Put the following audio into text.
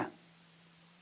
kemudian di sumatera